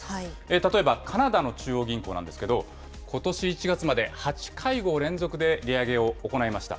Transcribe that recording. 例えばカナダの中央銀行なんですけれども、ことし１月まで８会合連続で利上げを行いました。